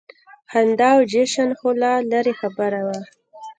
خندا او جشن خو لا لرې خبره وه.